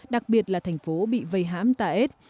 đặc biệt là thành phố bị vây hãm taed